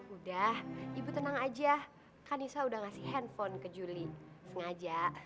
udah ibu tenang aja kanisah udah ngasih handphone ke juli sengaja